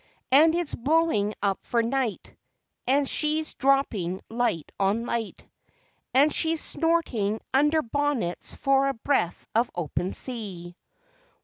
And it's blowing up for night, And she's dropping Light on Light, And she's snorting under bonnets for a breath of open sea.